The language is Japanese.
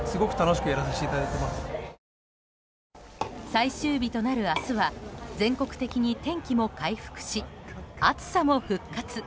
最終日となる明日は全国的に天気も回復し暑さも復活。